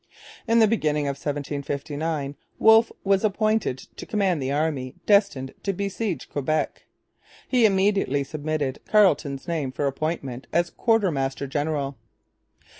At the beginning of 1759 Wolfe was appointed to command the army destined to besiege Quebec. He immediately submitted Carleton's name for appointment as quartermaster general.